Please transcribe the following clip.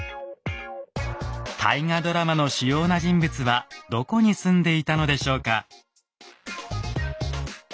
大河ドラマの主要な人物はどこに住んでいたのでしょうか。